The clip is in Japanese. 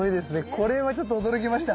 これはちょっと驚きました。